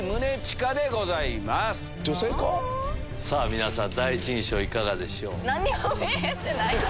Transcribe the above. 皆さん第一印象いかがでしょう？